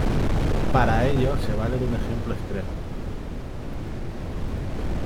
Para ello se vale de un ejemplo extremo.